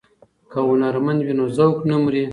که هنرمند وي نو ذوق نه مري.